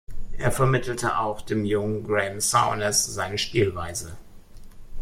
Er vermittelte auch dem jungen Graeme Souness seine Spielweise.